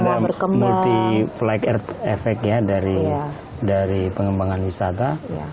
karena ada multi flag effect ya dari pengembangan wisata